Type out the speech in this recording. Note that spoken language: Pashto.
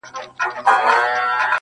برايی مي دا زخمي زړه ناکرار کړم!